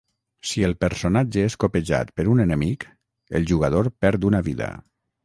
Si el personatge és copejat per un enemic, el jugador perd una vida.